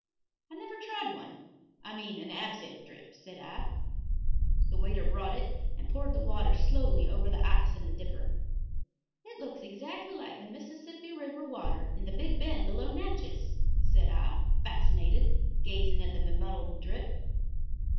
"I never tried one I mean an absinthe drip," said I. The waiter brought it and poured the water slowly over the ice in the dripper. "It looks exactly like the Mississippi River water in the big bend below Natchez," said I, fascinated, gazing at the be muddled drip.